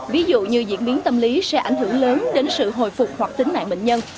ví dụ như diễn biến tâm lý sẽ ảnh hưởng lớn đến sự hồi phục hoặc tính mạng bệnh nhân